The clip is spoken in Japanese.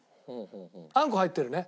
あんこ入ってるね？